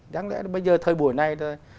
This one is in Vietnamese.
đáng lẽ bây giờ thời buổi này thôi